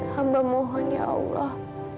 hamba mohon ya allah